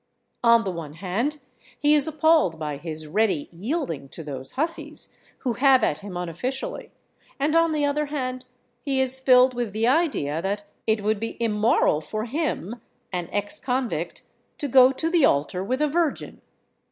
On the one hand, he is appalled by his ready yielding to those hussies who have at him unofficially, and on the other hand he is filled with the idea that it would be immoral for him, an ex convict, to go to the altar with a virgin.